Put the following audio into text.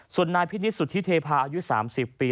ส่วนนายพินิศสุธิเทพาอายุ๓๐ปี